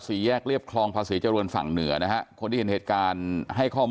สีแยกเลียบคลองพระศรีจรวรษฐ์ฝั่งเหนือนะฮะ